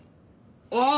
ああ！